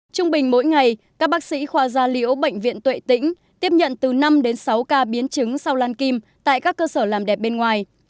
trung bình mỗi ngày các bác sĩ khoa gia liễu bệnh viện tuệ tĩnh tiếp nhận từ năm đến sáu ca biến chứng sau lan kim tại các cơ sở làm đẹp bên ngoài